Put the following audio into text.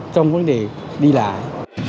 trong vấn đề đi lại